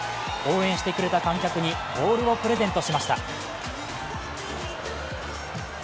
応援してくれた観客にボールをプレゼントしました。